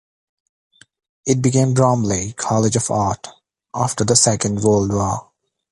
It became Bromley College of Art after the second world war.